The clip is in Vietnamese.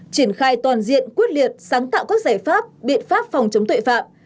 triển khai toàn diện quyết liệt sáng tạo các giải pháp biện pháp phòng chống tội phạm